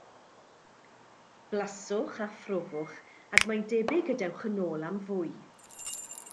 Blaswch a phrofwch, ac mae'n debyg y dewch yn ôl am fwy.